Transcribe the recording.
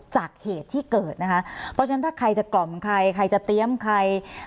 จากเหตุที่เกิดนะคะเพราะฉะนั้นถ้าใครจะกล่อมใครใครจะเตรียมใคร